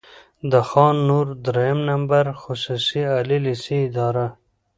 د خان نور دريیم نمبر خصوصي عالي لېسې اداره،